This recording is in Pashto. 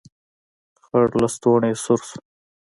خړ لستوڼی يې سور شو.